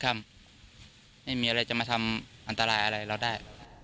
ไม่มีอะไรจะมาทำอันตรายอะไรเราได้